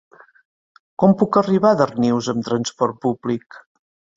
Com puc arribar a Darnius amb trasport públic?